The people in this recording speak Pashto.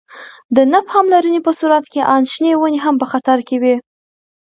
د نه پاملرنې په صورت کې آن شنې ونې هم په خطر کې وي.